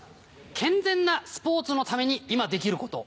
健全なスポーツのために今できること。